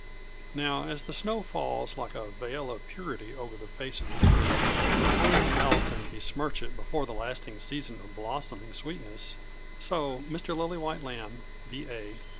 Now as the snow falls like a veil of purity over the face of the earth, only to melt and besmirch it before the lasting season of blossoming sweetness, so Mr. Lillywhite Lambe, B.A.